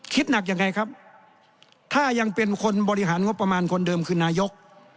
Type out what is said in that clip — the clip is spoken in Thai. คิดหนักยังไงครับถ้ายังเป็นคนบริหารงบประมาณคนเดิมคือนายก